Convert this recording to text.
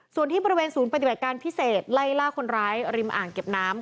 ส่วนที่บริเวณศูนย์ปฏิบัติการพิเศษไล่ล่าคนร้ายริมอ่างเก็บน้ำ